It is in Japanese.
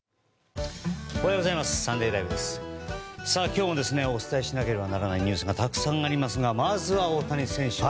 今日もお伝えしなければならないニュースがたくさんありますがまずは大谷選手。